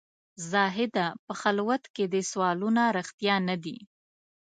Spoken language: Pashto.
زاهده په خلوت کې دي سوالونه رښتیا نه دي.